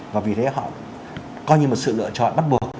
và vì thế họ coi như một sự lựa chọn bắt buộc